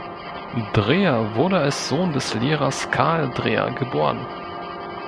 Dreher wurde als Sohn des Lehrers Karl Dreher geboren.